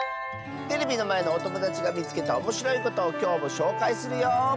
テレビのまえのおともだちがみつけたおもしろいことをきょうもしょうかいするよ！